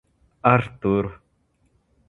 Артур